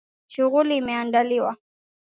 Shughuli imeandaliwa.